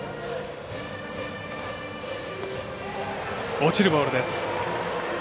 落ちるボールです。